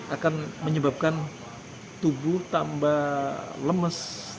akan menyebabkan tubuh tambah lemes tambah males